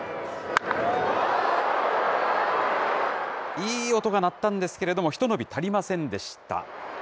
いい音が鳴ったんですけれども、ひと伸び足りませんでした。